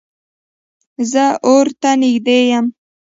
زه اور ته نږدې یم